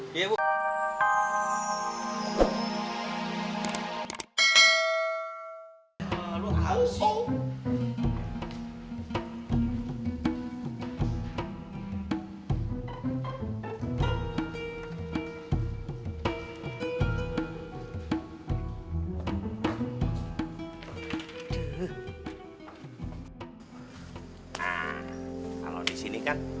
kalau disini kan